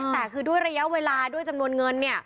แต่คือด้วยระยะเวลาด้วยจำนวนเงิน